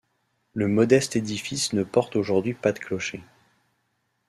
Le modeste édifice ne porte aujourd’hui pas de clocher.